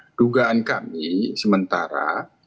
nah dugaan kami sementara